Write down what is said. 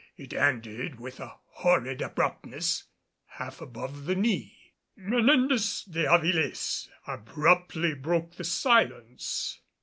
It ended with horrid abruptness half above the knee. Menendez de Avilés abruptly broke the silence.